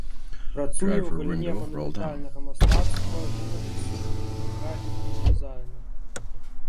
Працуе ў галіне манументальнага мастацтва, жывапісу, кніжнай графікі і дызайну.